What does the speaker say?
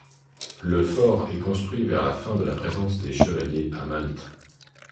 Le fort est construit vers la fin de la présence des chevaliers à Malte.